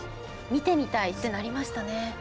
見てみたいってなりましたね。